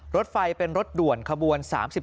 รถไฟเป็นรถด่วนขบวน๓๔